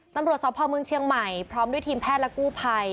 ตำรวจสพเมืองเชียงใหม่พร้อมด้วยทีมแพทย์และกู้ภัย